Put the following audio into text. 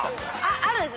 あるんです。